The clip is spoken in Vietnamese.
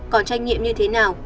còn trách nhiệm như thế nào